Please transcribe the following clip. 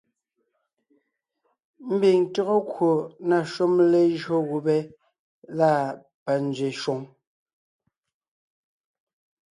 Mbiŋ tÿɔ́gɔ kwò na shúm lejÿó gubé lâ panzwě shwòŋ,